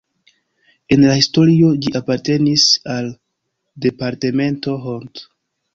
En la historio ĝi apartenis al departemento Hont.